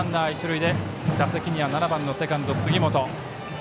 打席には７番のセカンド、杉本。